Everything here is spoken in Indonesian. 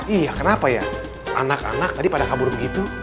iya kenapa ya anak anak tadi pada kabur begitu